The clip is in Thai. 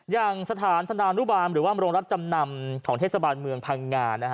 อย่างสถานธนานุบาลหรือว่าโรงรับจำนำของเทศบาลเมืองพังงา